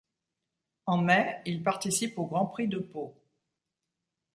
En mai, il participe au Grand Prix de Pau.